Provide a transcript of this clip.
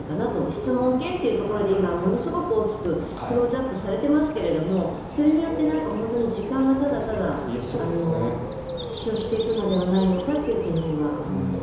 質問権っていうところで今、ものすごく大きくクローズアップされていますがそれによって時間がただただ費消していくのではないかという懸念はあります。